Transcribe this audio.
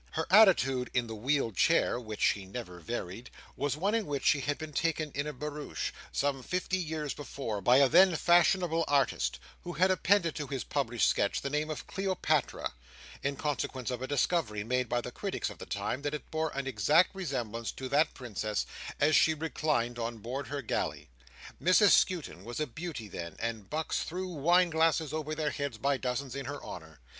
Her attitude in the wheeled chair (which she never varied) was one in which she had been taken in a barouche, some fifty years before, by a then fashionable artist who had appended to his published sketch the name of Cleopatra: in consequence of a discovery made by the critics of the time, that it bore an exact resemblance to that Princess as she reclined on board her galley. Mrs Skewton was a beauty then, and bucks threw wine glasses over their heads by dozens in her honour.